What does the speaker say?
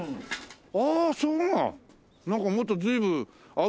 ああそうなの？